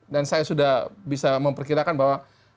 dan saya sudah bisa memperkirakan bahwa